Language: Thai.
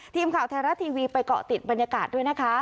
ทีมข่าวไทยรัฐทีวีไปเกาะติดบรรยากาศด้วยนะคะ